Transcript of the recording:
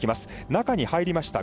中に入りました。